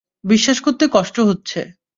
বিশ্বাস করতে কষ্ট হচ্ছে!